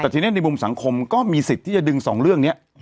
แต่ทีนี้ในมุมสังคมก็มีสิทธิ์ที่จะดึงสองเรื่องนี้